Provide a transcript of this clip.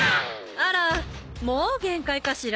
あらもう限界かしら？